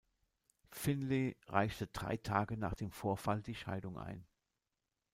Finley reichte drei Tage nach dem Vorfall die Scheidung ein.